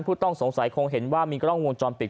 ผู้ต้องสงสัยคงเห็นว่ามีกล้องวงจรปิด